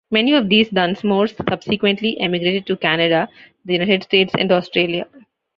Many of these Dunsmores subsequently emigrated to Canada, the United States and Australia.